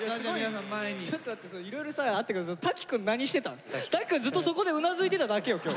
ちょっと待っていろいろあったけど瀧くんずっとそこでうなずいてただけよ今日。